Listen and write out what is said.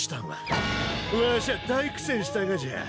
わしゃ大苦戦したがじゃ。